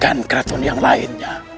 dan keratun yang lainnya